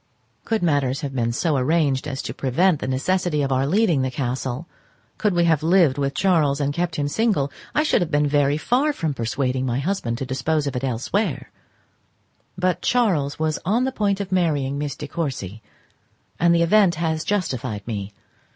Could matters have been so arranged as to prevent the necessity of our leaving the castle, could we have lived with Charles and kept him single, I should have been very far from persuading my husband to dispose of it elsewhere; but Charles was on the point of marrying Miss De Courcy, and the event has justified me.